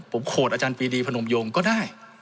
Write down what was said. ผมโขดอาจารย์ปีดีพนมโยงก็ได้